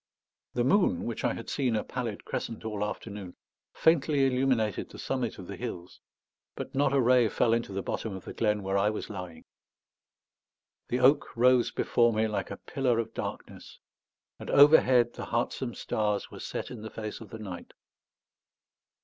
The moon, which I had seen a pallid crescent all afternoon, faintly illuminated the summit of the hills, but not a ray fell into the bottom of the glen where I was lying. The oak rose before me like a pillar of darkness; and overhead the heartsome stars were set in the face of the night.